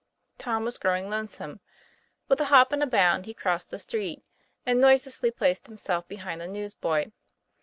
Tom was growing lonesome. With a hop and a bound he crossed the street, and noiselessly placed himself behind the newsboy.